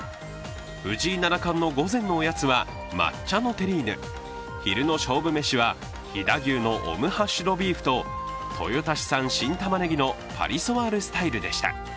藤井七冠の午前のおやつは抹茶のテリーヌ、昼の勝負めしは飛騨牛のオムハッシュドビーフと豊田市産新玉葱のパリソワールスタイルでした。